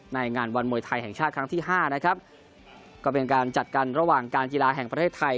ในงานวันมวยไทยแห่งชาติครั้งที่ห้านะครับก็เป็นการจัดกันระหว่างการกีฬาแห่งประเทศไทย